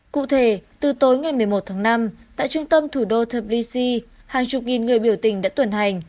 cụ thể từ tối ngày một mươi một tháng năm tại trung tâm thủ đô tebsy hàng chục nghìn người biểu tình đã tuần hành